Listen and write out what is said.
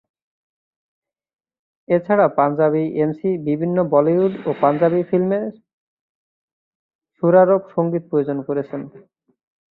এছাড়া পাঞ্জাবি এমসি বিভিন্ন বলিউড ও পাঞ্জাবি ফিল্মে সুরারোপ ও সঙ্গীত প্রযোজনা করেছেন।